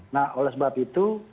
nah oleh sebab itu